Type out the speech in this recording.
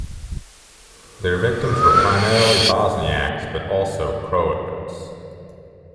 Their victims were primarily Bosniaks but also Croats.